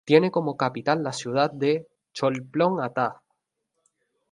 Tiene como capital la ciudad de Cholpon-Ata.